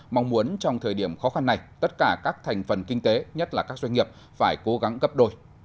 mong muốn trong thời điểm khó khăn này tất cả các thành phần kinh tế nhất là các doanh nghiệp phải cố gắng gấp đôi